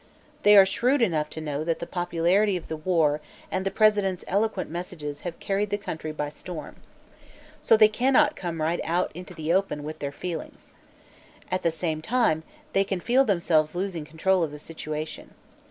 They are shrewd enough to know that the popularity of the war and the President's eloquent messages have carried the country by storm. So they cannot come right out into the open with their feelings. At the same time, they can feel themselves losing control of the situation.